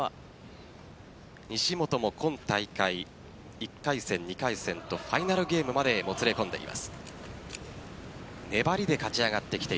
西本も今大会１回戦、２回戦とファイナルゲームまでもつれ込んでいます。